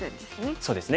そうですね。